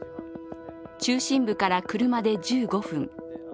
中心部から車で１５分。